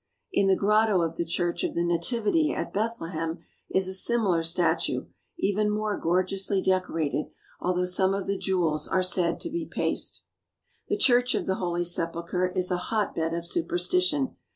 In the grotto of the Church of the Nativity at Bethlehem is a similar statue, even more gorgeously decorated, although some of the jewels are said to be paste. The Church of the Holy Sepulchre is a hotbed of su perstition.